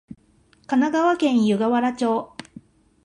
神奈川県湯河原町